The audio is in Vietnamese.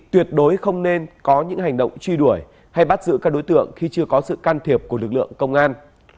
tuyệt đối không nên có những hành động truy đuổi hay bắt giữ các đối tượng khi chưa có sự can thiệp của lực lượng công an